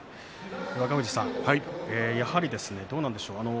若藤さん、やはりどうなんですかね。